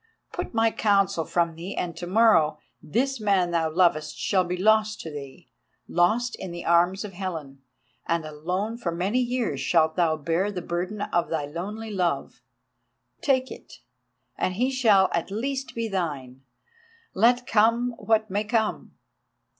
Put my counsel from thee and to morrow this man thou lovest shall be lost to thee, lost in the arms of Helen; and alone for many years shalt thou bear the burden of thy lonely love. Take it, and he shall at least be thine, let come what may come.